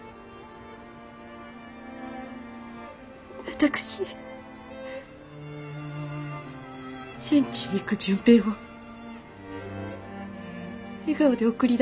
私戦地へ行く純平を笑顔で送り出したのよ。